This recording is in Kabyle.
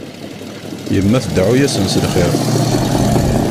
Yemma tdeɛɛu-asen s lxir.